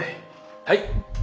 はい。